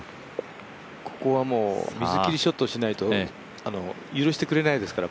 ここは水切りショットしないと許してくれないからね